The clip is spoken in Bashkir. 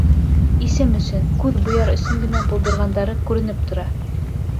Исем өсөн, күҙ буяр өсөн генә булдырғандары күренеп тора.